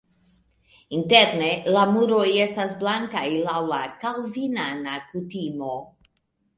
Interne la muroj estas blankaj laŭ la kalvinana kutimo.